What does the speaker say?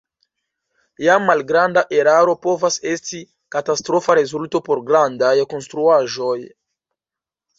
Jam malgranda eraro povas esti katastrofa rezulto por grandaj konstruaĵoj.